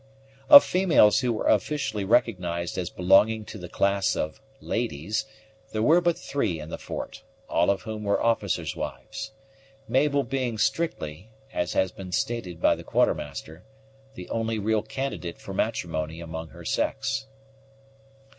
Of females who were officially recognized as belonging to the class of ladies, there were but three in the fort, all of whom were officers' wives; Mabel being strictly, as had been stated by the Quartermaster, the only real candidate for matrimony among her sex.